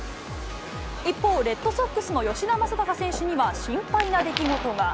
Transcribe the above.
一方、レッドソックスの吉田正尚選手には心配な出来事が。